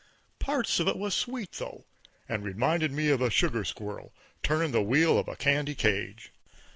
Parts of it was sweet, though, and reminded me of a sugar squirrel turnin' the wheel of a candy cage.